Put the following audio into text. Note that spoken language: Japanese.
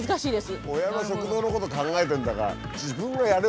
親の食堂のこと考えてるんだから自分がやれ！